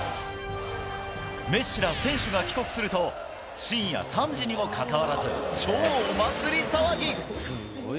メッシら選手が帰国すると、深夜３時にもかかわらず、超お祭り騒ぎ。